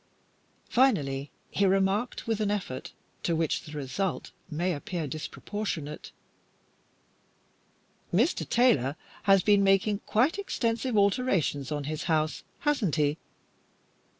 Finally, he remarked, with an effort to which the result may appear disproportionate "Mr. Taylor has been making quite extensive alterations on his house, hasn't he?"